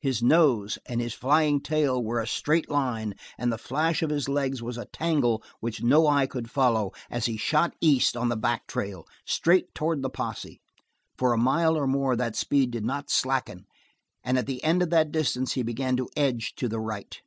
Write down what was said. His nose, and his flying tail were a straight line and the flash of his legs was a tangle which no eye could follow as he shot east on the back trail, straight toward the posse. For a mile or more that speed did not slacken, and at the end of that distance he began to edge to the right.